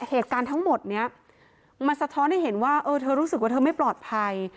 เหตุการณ์ทั้งหมดนี้มันสะท้อนให้เห็นว่าเออเธอรู้สึกว่าเธอไม่ปลอดภัย